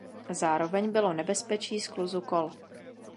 Zároveň bylo nebezpečí skluzu kol.